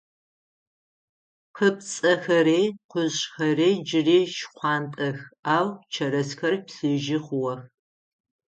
Къыпцӏэхэри къужъхэри джыри шхъуантӏэх, ау чэрэзхэр плъыжьы хъугъэх.